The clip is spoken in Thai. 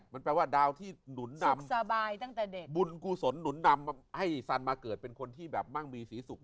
มันแปลว่าดาวที่หนุนนำบุญกุศลหนุนนำให้สันมาเกิดเป็นคนที่มั่งมีสีศุกร์